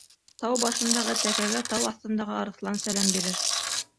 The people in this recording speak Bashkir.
Тау башындағы тәкәгә тау аҫтындағы арыҫлан сәләм бирер.